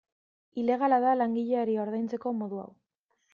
Ilegala da langileari ordaintzeko modu hau.